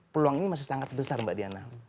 peluang ini masih sangat besar mbak diana